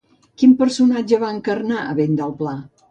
Quin personatge va encarnar a Ventdelplà?